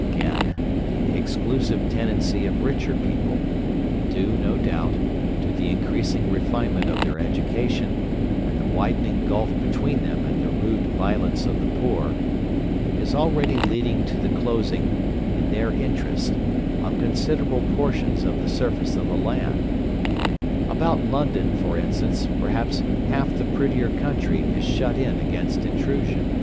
"Again, the exclusive tendency of richer people—due, no doubt, to the increasing refinement of their education, and the widening gulf between them and the rude violence of the poor—is already leading to the closing, in their interest, of considerable portions of the surface of the land. About London, for instance, perhaps half the prettier country is shut in against intrusion.